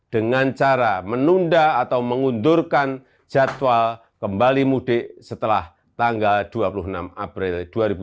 dengan cara menunda atau mengundurkan jadwal kembali mudik setelah tanggal dua puluh enam april dua ribu dua puluh